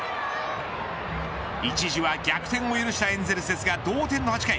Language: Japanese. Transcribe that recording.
一時は逆転を許したエンゼルスですが同点の８回。